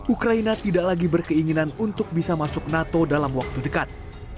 ukraina tidak lagi berkeinginan untuk bisa masuk nato dalam waktu dekat